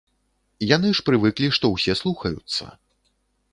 Яны ж прывыклі, што ўсе слухаюцца.